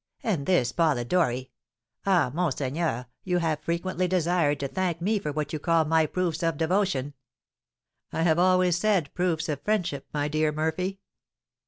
And this Polidori! Ah, monseigneur, you have frequently desired to thank me for what you call my proofs of devotion." "I have always said proofs of friendship, my dear Murphy."